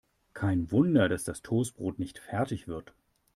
Kein Wunder, dass das Toastbrot nicht fertig wird.